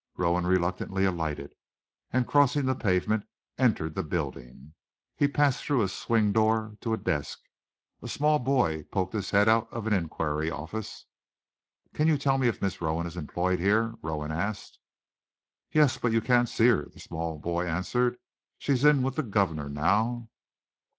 Rowan reluctantly alighted, and crossing the pavement entered the building. He passed through a swing door to a desk. A small boy poked his head out of an inquiry office. "Can you tell me if Miss Rowan is employed here?" Rowan asked. "Yes, but you can't see her," the small boy answered. "She's in with the guv'nor now."